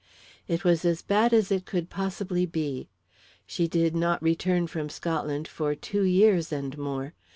"It was as bad as it could possibly be. She did not return from Scotland for two years and more.